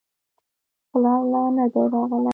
پلار لا نه دی راغلی.